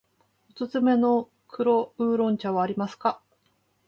おすすめの黒烏龍茶はありますか。